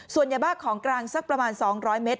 ส่วนยาบ้าของกลางสักประมาณ๒๐๐เมตร